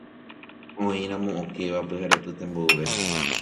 oĩramo okéva pyharepyte mboyve